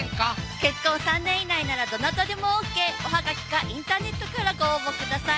結婚３年以内ならどなたでもＯＫおはがきかインターネットからご応募ください